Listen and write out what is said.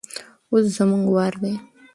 اوس زموږ وار دی.